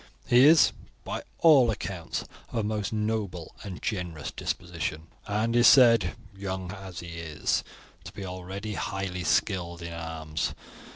He is, by all accounts, of a most noble and generous disposition, and is said, young as he is, to be already highly skilled in arms.